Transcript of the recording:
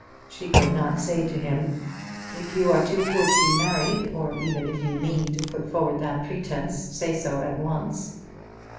She could not say to him, "If you are too poor to be married, or even if you mean to put forward that pretence, say so at once."